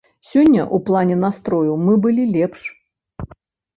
Сёння ў плане настрою мы былі лепш.